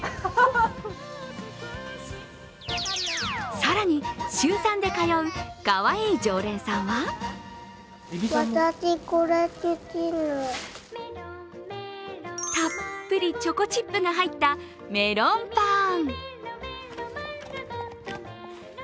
更に週３で通う、かわいい常連さんはたっぷりチョコチップが入ったメロンパン。